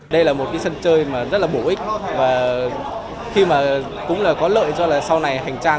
đây là một cái sân chơi mà rất là bổ ích và khi mà cũng là có lợi cho là sau này hành trang